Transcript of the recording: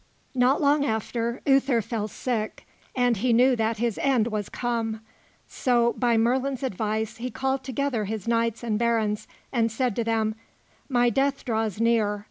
Not long after, Uther fell sick, and he knew that his end was come; so, by Merlin's advice; he called together his knights and barons, and said to them: "My death draws near.